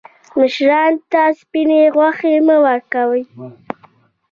مشرانو ته سپیني غوښي مه ورکوئ.